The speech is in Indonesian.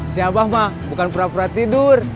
si abah mah bukan pura pura tidur